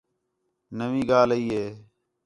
نویں ڳالھ ای ہِے